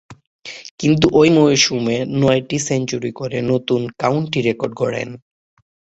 কিন্তু ঐ মৌসুমে নয়টি সেঞ্চুরি করে নতুন কাউন্টি রেকর্ড গড়েন।